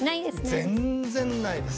全然ないです。